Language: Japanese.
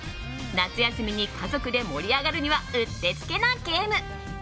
夏休みに家族で盛り上がるにはうってつけなゲーム。